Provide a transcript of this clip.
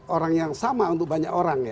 orang yang sama untuk banyak orang